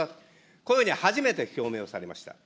こういうふうに初めて表明をされました。